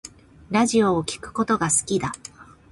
ラジオを聴くことが好きだ